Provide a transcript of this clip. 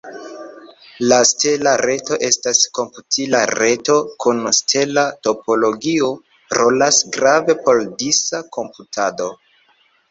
La stela reto estas komputila reto kun stela topologio, rolas grave por disa komputado.